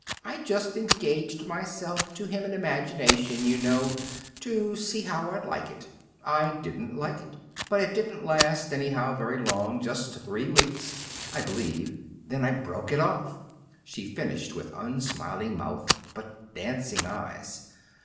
"I just engaged myself to him in imagination, you know, to see how I'd like it. I didn't like it. But it didn't last, anyhow, very long just three weeks, I believe. Then I broke it off," she finished, with unsmiling mouth, but dancing eyes.